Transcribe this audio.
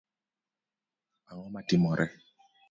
Ang’o matimore?